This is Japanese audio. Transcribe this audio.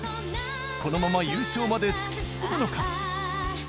このまま優勝まで突き進むのか？